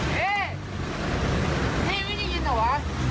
เฮ้ยนี่ไม่ได้ยินเหรอวะ